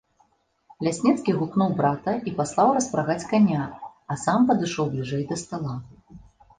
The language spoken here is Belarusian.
Лясніцкі гукнуў брата і паслаў распрагаць каня, а сам падышоў бліжэй да стала.